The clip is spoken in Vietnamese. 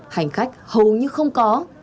hành khách hầu như không có